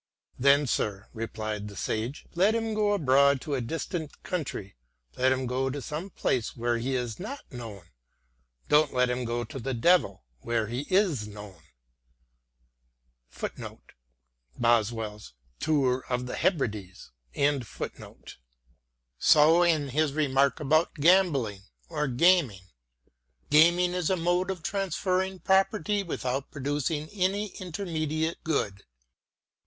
" Then, sir," replied the sage, " let him go abroad to a distant country, let him go to some place where he is not known. Don't let him go to the Devil where he is known." t So in his remark about gambling or gaming :" Gaming is a mode of transferring property without producing any intermediate good."